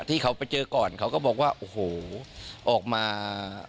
ที่เขาไปเจอก่อนเขาก็บอกว่าโอ้โหออกมา